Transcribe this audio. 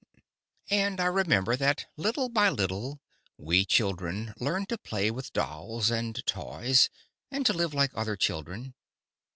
And I remember that, little by little, we children learned to play with dolls and toys, and to live like other children.